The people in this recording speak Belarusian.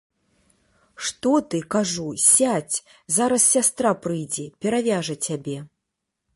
Што ты, кажу, сядзь, зараз сястра прыйдзе, перавяжа цябе.